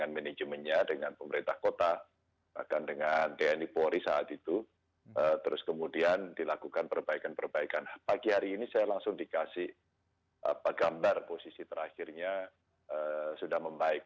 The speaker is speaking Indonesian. pagi hari ini saya langsung dikasih gambar posisi terakhirnya sudah membaik